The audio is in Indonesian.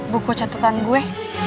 buku catatan gue